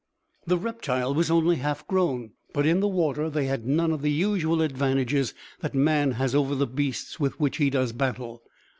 The reptile was only half grown, but in the water they had none of the usual advantages that man has over the beasts with which he does battle.